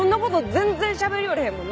全然しゃべりよれへんもんな。